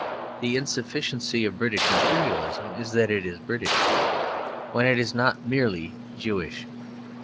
The insufficiency of British Imperialism is that it is British; when it is not merely Jewish.